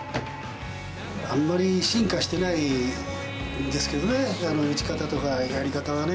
あんまり進化してないんですけどね、打ち方とかやり方はね。